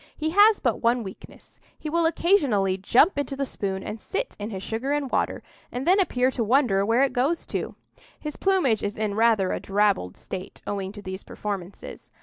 He has but one weakness—he will occasionally jump into the spoon and sit in his sugar and water, and then appear to wonder where it goes to. His plumage is in rather a drabbled state, owing to these performances.